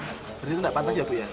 jadi itu gak pantas ya bupati ya